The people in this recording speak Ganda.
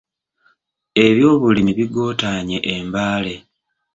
Ebyobulimi bigootaanye e Mbale.